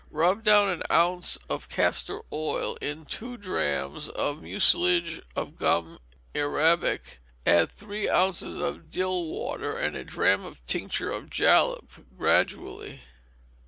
Rub down an ounce of castor oil in two drachms of mucilage of gum arabic, add three ounces of dill water, and a drachm of tincture of jalap, gradually.